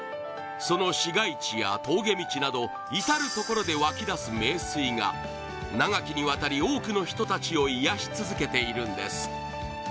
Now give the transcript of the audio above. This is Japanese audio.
その市街地や峠道など至るところで湧き出す名水が長きにわたり多くの人たちを癒やし続けているんです